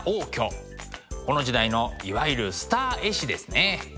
この時代のいわゆるスター絵師ですね。